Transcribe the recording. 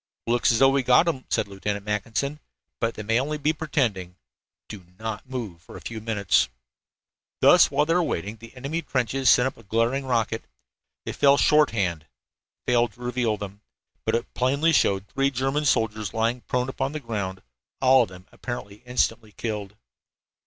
"Looks as though we got them," said Lieutenant Mackinson, "but they may be only pretending. Do not move for a few minutes." While they were thus waiting, the enemy trenches sent up a glaring rocket. It fell shorthand failed to reveal them, but it plainly showed three German soldiers lying prone upon the ground, all of them apparently instantly killed.